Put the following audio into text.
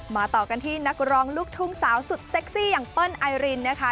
ต่อกันที่นักร้องลูกทุ่งสาวสุดเซ็กซี่อย่างเปิ้ลไอรินนะคะ